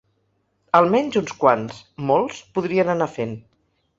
Almenys uns quants –molts– podrien anar fent.